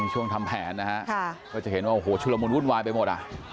ทำแผนนะฮะก็จะเห็นว่าโอ้โหชุลมุนวุ่นวายไปหมดอ่ะ